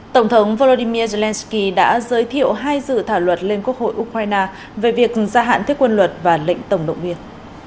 tổng thống volodymyr zelenskyy đã giới thiệu hai dự thảo luật lên quốc hội ukraine về việc gia hạn thiết quân luật và lệnh tổng động viên